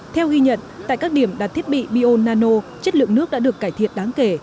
theo ghi nhận tại các điểm đặt thiết bị bionano chất lượng nước đã được cải thiện đáng kể